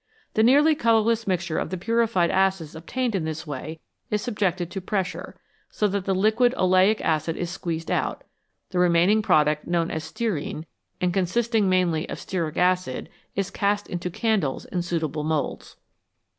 The nearly colourless mixture of the purified acids obtained in this way is subjected to pressure, so that the liquid oleic acid is squeezed out ; the remaining product, known as " stearine," and consisting mainly of stearic acid, is cast into candles in suitable moulds.